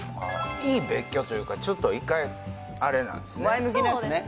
いい別居というかちょっと１回あれなんですね